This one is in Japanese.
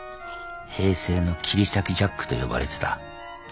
平成の切り裂きジャックと呼ばれてた。